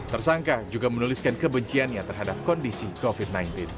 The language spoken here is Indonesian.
tersangka juga menuliskan kebenciannya terhadap kondisi covid sembilan belas